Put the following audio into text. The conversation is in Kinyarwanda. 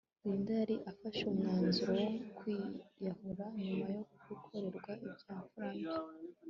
Linda yari afashe umwanzuro wo kwiyahura nyuma yo gukorerwa ibya mfura mbi